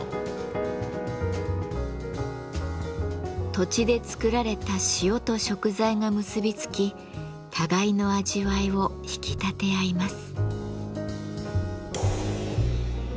土地で作られた塩と食材が結び付き互いの味わいを引き立て合います。